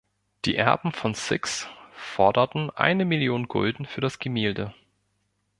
Die Erben von Six forderten eine Million Gulden für das Gemälde.